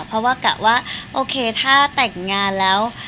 เพราะว่ากะว่าโอเคถ้าแต่งงานแล้ว